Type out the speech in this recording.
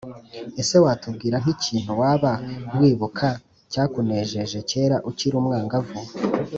ese watubwira nk’ikintu waba wibuka cyakunejeje kera ukiri umwangavu?